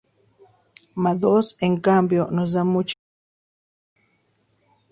Madoz en cambio nos da mucha más información.